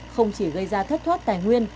không chỉ gây ra thất thoát tài nguyên